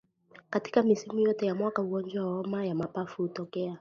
Katika misimu yote ya mwaka ugonjwa wa homa ya mapafu hutokea